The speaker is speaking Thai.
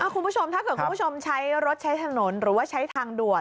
คุณผู้ชมถ้าเกิดคุณผู้ชมใช้รถใช้ถนนหรือว่าใช้ทางด่วน